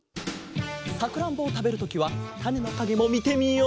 さくらんぼをたべるときはたねのかげもみてみよう！